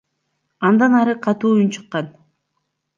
Андан ары катуу үн чыккан.